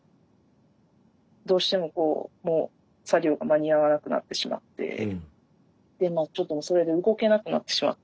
どうしても作業が間に合わなくなってしまってでまあちょっともうそれで動けなくなってしまって。